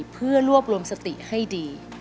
เพื่อรวบรวมสติให้ดี